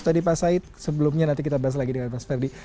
tadi pak said sebelumnya nanti kita bahas lagi dengan mas ferdi